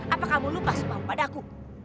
apa kamu lupa sumpahmu pada aku